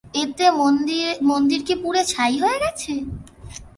এতে মন্দিরের কি পুড়ে ছাই হয়ে গেছে?